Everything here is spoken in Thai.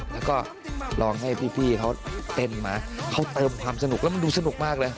แล้วก็ลองให้พี่เขาเต้นมาเขาเติมความสนุกแล้วมันดูสนุกมากเลย